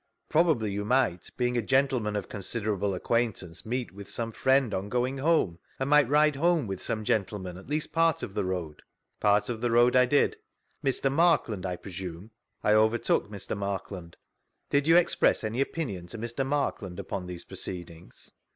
Probably you might, being a gentleman c^ con uderable acquaintance, meet with some friend on vGoogIc 36 THREE ACCOUNTS OF PETERLOO goit% home, and might ride home with some gentleman, at least part of the road ?— Part of the road I did. Mr. Markland, I presume?— I overtook Mr. Markland. Did you express any opinion to Mr. Markland upon these proceedings